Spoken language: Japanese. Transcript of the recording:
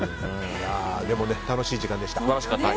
楽しい時間でした。